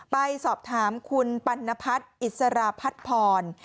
ไปสอบถามคุณปัณฑัฐอิสระพัดพร